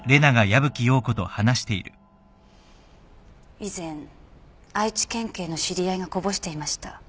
以前愛知県警の知り合いがこぼしていました。